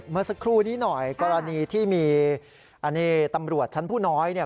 เมื่อสักครู่นี้หน่อยกรณีที่มีอันนี้ตำรวจชั้นผู้น้อยเนี่ย